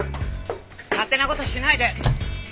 勝手な事しないで！